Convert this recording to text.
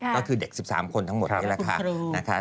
ก็คือเด็ก๑๓คนทั้งหมดนี่แหละค่ะนะคะ